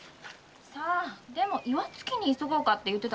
さあでも「岩槻に急ごう」と言ってたかな？